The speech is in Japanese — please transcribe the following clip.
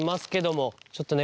ちょっとね